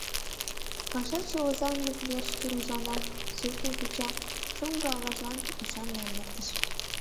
Пашаче озанлык верч тургыжлана, суртым куча, шоҥго аважлан — ӱшанле эҥертыш.